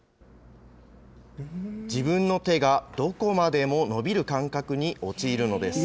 自分の手がどこまでも伸びる感覚に陥るのです。